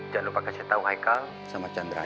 jangan lupa kasih tau haikal sama chandra ya